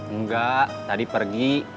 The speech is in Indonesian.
enggak tadi pergi